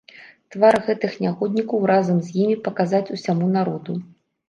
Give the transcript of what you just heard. Твар гэтых нягоднікаў разам з імі паказаць усяму народу!